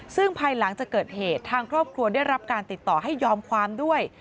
ซึ่งภายหลังจากเกิดเหตุทางครอบครัวได้รับการติดต่อให้ยอมความด้วย